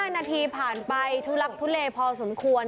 ๕นาทีผ่านไปทุลักทุเลพอสมควร